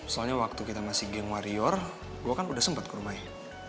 soalnya waktu kita masih game warrior gue kan udah sempat ke rumahnya